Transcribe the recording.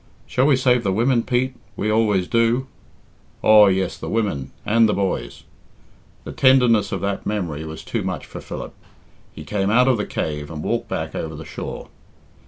"Shall we save the women, Pete? we always do." "Aw, yes, the women and the boys." The tenderness of that memory was too much for Philip. He came out of the cave, and walked back over the shore.